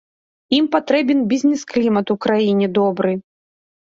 Ім патрэбен бізнес-клімат у краіне добры.